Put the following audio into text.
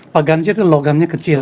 pak ganjar itu logamnya kecil